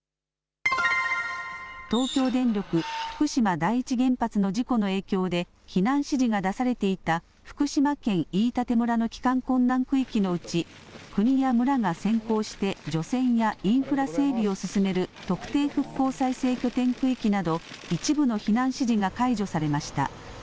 東京電力福島第一原発の事故の影響で避難指示が出されていた福島県飯舘村の帰還困難区域のうち国や村が先行して除染やインフラ整備を進める特定復興再生拠点区域など一部の避難指示が解除されました。